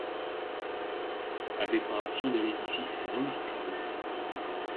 La décoration de l'édifice est remarquable.